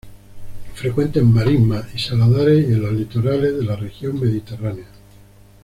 Frecuente en marismas y saladares y en los litorales de la región mediterránea.